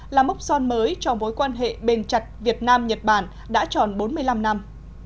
là mốc son mới cho mối quan hệ bền chặt việt nam nhật bản đã tròn bốn mươi năm năm